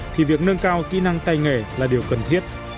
thì việc nâng cao kỹ năng tay nghề là điều cần thiết